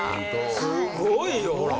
すごいよほら。